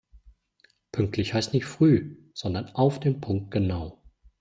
Pünktlich heißt nicht früh, sondern auf den Punkt genau.